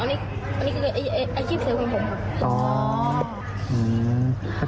อาระชีพเสริมผม